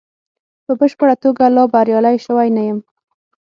په بشپړه توګه لا بریالی شوی نه یم.